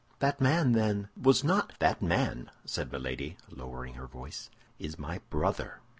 "That man, then, was not—" "That man," said Milady, lowering her voice, "is my brother."